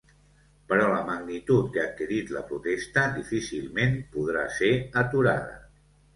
Però la magnitud que ha adquirit la protesta difícilment podrà ser aturada.